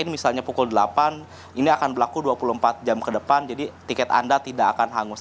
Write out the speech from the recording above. misalnya pukul delapan ini akan berlaku dua puluh empat jam ke depan jadi tiket anda tidak akan hangus